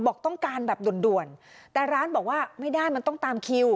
บอกต้องการแบบด่วนด่วนแต่ร้านบอกว่าไม่ได้มันต้องตามคิว